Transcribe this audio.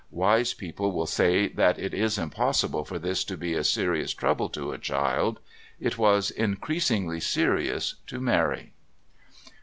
Wise people will say that it is impossible for this to be a serious trouble to a child. It was increasingly serious to Mary.